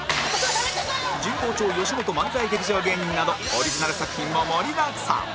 神保町よしもと漫才劇場芸人などオリジナル作品も盛りだくさん